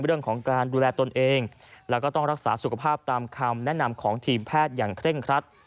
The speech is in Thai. เรื่องของการดูแลตนเองแล้วก็ต้องรักษาสุขภาพตามคำแนะนำของทีมแพทย์อย่างเคร่งครัด